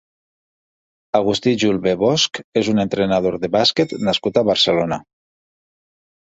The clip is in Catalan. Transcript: Agustí Julbe Bosch és un entrenador de basquet nascut a Barcelona.